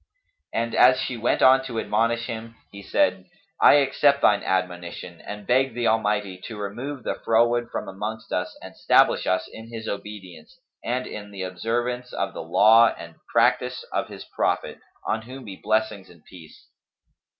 And as she went on to admonish him, he said, "I accept thine admonition and beg the Almighty to remove the froward from amongst us and stablish us in His obedience and in the observance of the law and practice of His Prophet, on whom be blessings and peace!"